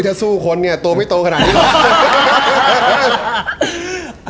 ถ้าสู้คนเนี่ยตัวไม่โตขนาดนี้แล้ว